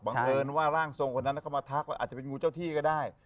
เอิญว่าร่างทรงคนนั้นก็มาทักว่าอาจจะเป็นงูเจ้าที่ก็ได้